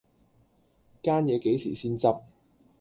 間野幾時先執